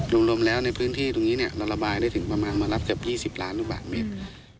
โดยรวมแล้วในพื้นที่ตรงนี้เนี้ยเราระบายได้ถึงประมาณมารับกับยี่สิบล้านลูกบาทเมตร